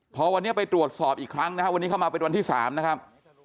พอวันนี้ไปตรวจสอบอีกครั้งนะครับวันนี้เข้ามาเป็นวันที่๓นะครับ